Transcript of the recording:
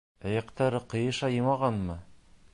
Эйәктәре ҡыйшаймағанмы!